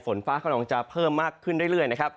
ฝนฟ้าข้างน้องจะเพิ่มมากขึ้นเรื่อย